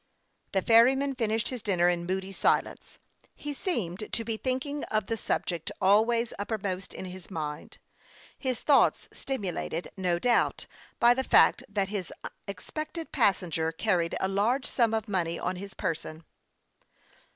The ferryman finished his dinner in moody silence. He seemed to be thinking of the subject always uppermost in his mind, his thoughts stimulated, no doubt, by the fact that his expected passenger car ried a large sum of money on his person.